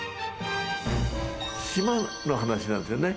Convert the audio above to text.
島の話なんですよね。